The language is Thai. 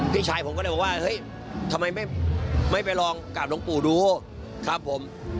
พี่ชายผมก็เลยบอกว่าเฮ้ยทำไมไม่ไปลองกราบหลวงปู่ดูครับผม